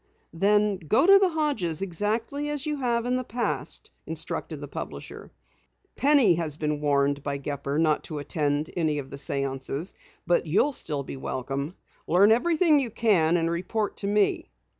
"Then go to the Hodges' exactly as you have in the past," instructed the publisher. "Penny has been warned by Gepper not to attend any of the séances, but you'll still be welcome. Learn everything you can and report to me."